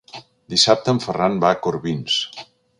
Dissabte en Ferran va a Corbins.